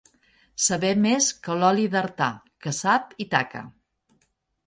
Saber més que l'oli d'Artà, que sap i taca.